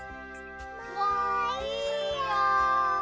・もういいよ！